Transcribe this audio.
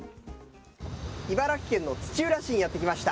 茨城県の土浦市にやって来ました。